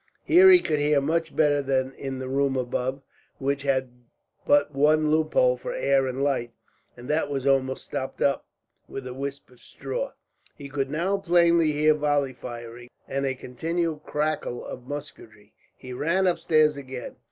Here he could hear much better than in the room above; which had but one loophole for air and light, and that was almost stopped up, with a wisp of straw. He could now plainly hear volley firing, and a continued crackle of musketry. He ran upstairs again.